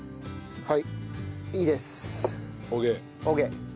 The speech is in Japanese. はい！